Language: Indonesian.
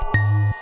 tidak ada apa apa